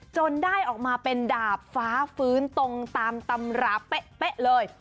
จนได้ออกมาเป็นดาบฟ้าฟื้นตรงตามตำราเป๊ะเลย